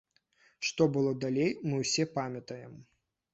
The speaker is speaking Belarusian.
Што было далей, мы ўсе памятаем.